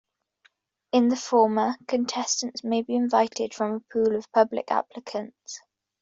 In the former, contestants may be invited from a pool of public applicants.